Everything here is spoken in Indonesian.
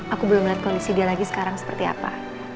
aku belum melihat kondisi dia lagi sekarang seperti apa